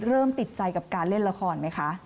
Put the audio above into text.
ติดใจกับการเล่นละครไหมคะ